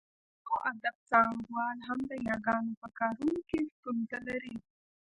د پښتو ادب څانګوال هم د یاګانو په کارونه کې ستونزه لري